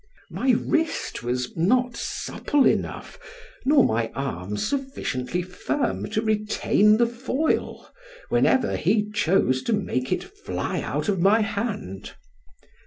My wrist was not supple enough, nor my arm sufficiently firm to retain the foil, whenever he chose to make it fly out of my hand.